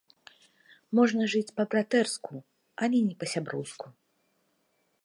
Можна жыць па-братэрску, але не па-сяброўску.